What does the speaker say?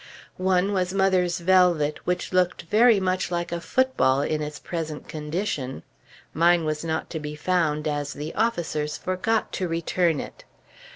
One was mother's velvet, which looked very much like a football in its present condition. Mine was not to be found, as the officers forgot to return it.